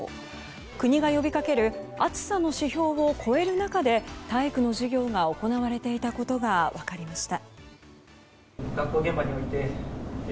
国が呼びかける暑さの指標を超える中で体育の授業が行われていたことが分かりました。